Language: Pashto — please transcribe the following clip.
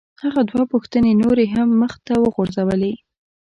هغه دوه پوښتنې نورې هم مخ ته وغورځولې.